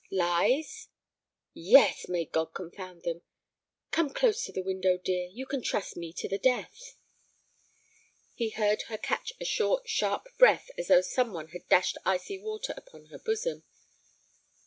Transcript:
"Lies?" "Yes, may God confound them! Come close to the window, dear; you can trust me to the death." He heard her catch a short, sharp breath as though some one had dashed icy water upon her bosom.